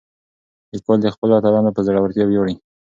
لیکوال د خپلو اتلانو په زړورتیا ویاړي.